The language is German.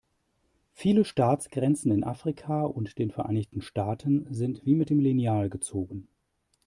Viele Staatsgrenzen in Afrika und den Vereinigten Staaten sind wie mit dem Lineal gezogen.